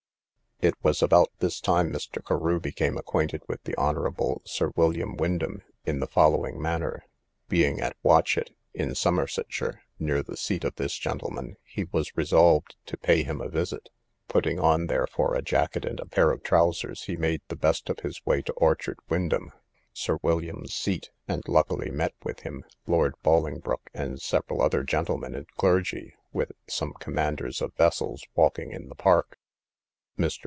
It was about this time Mr. Carew became acquainted with the Hon. Sir William Wyndham in the following manner.—Being at Watchet, in Somersetshire, near the seat of this gentleman, he was resolved to pay him a visit; putting on, therefore, a jacket and a pair of trowsers, he made the best of his way to Orchard Wyndham, Sir William's seat; and luckily met with him, Lord Bolingbroke, and several other gentlemen and clergy, with some commanders of vessels, walking in the park. Mr.